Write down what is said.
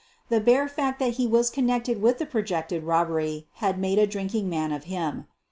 The bare fact that he was connected with the projected robbery had made a drinking man of him.